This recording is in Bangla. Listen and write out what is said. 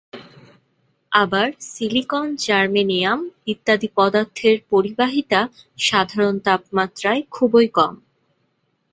আবার সিলিকন, জার্মেনিয়াম ইত্যাদি পদার্থের পরিবাহিতা সাধারণ তাপমাত্রায় খুবই কম।